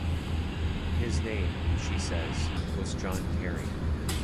His name, she says, was John Kerry.